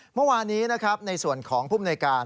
เมื่อวานี้นะครับในส่วนของผู้มนวยการ